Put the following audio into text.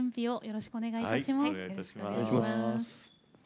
よろしくお願いします。